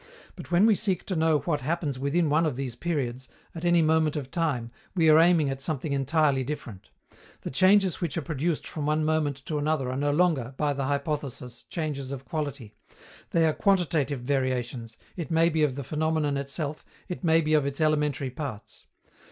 But when we seek to know what happens within one of these periods, at any moment of time, we are aiming at something entirely different. The changes which are produced from one moment to another are no longer, by the hypothesis, changes of quality; they are quantitative variations, it may be of the phenomenon itself, it may be of its elementary parts.